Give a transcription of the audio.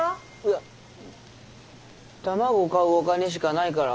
あ卵を買うお金しかないから。